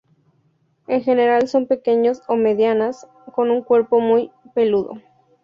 En general son pequeñas o medianas con un cuerpo muy peludo.